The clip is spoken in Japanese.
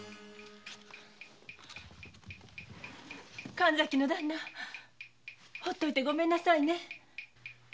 神崎のダンナほっといてごめんなさいね。